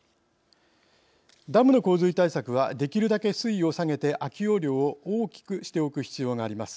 ダムの洪水対策はできるだけ水位を下げて空き容量を大きくしておく必要があります。